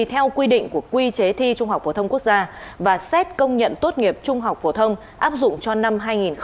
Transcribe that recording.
theo quy định của quy chế thi trung học phổ thông quốc gia và xét công nhận tốt nghiệp trung học phổ thông áp dụng cho năm hai nghìn hai mươi